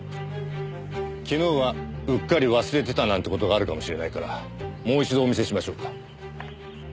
昨日はうっかり忘れてたなんて事があるかもしれないからもう一度お見せしましょうか。